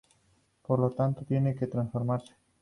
Por lo tanto, tiene que transformarse.